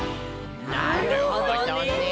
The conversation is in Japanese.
なるほどね。